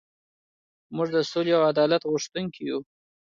موږ د سولې او عدالت غوښتونکي یو.